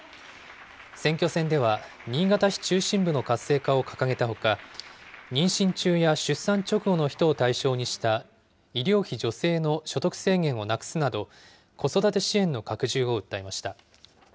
選挙戦では、新潟市中心部の活性化を掲げたほか、妊娠中や出産直後の人を対象にした医療費助成の所得制限をなくすなど、子育て支援の拡充を訴えました。